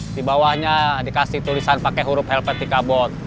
di bawahnya dikasih tulisan pake huruf helvetica bos